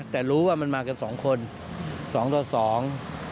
แต่รู้ว่ามันมากันสองคนสองต่อสอง